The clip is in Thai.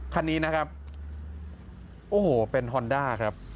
คันนี้นะครับโอ้โหเป็นฮอนด้าครับ